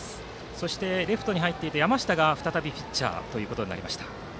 そして、レフトに入っていた山下が再びピッチャーとなりました。